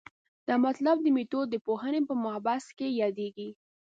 دا مطلب د میتودپوهنې په مبحث کې یادېږي.